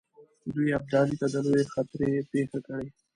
دوی ابدالي ته د لویې خطرې پېښه کړي.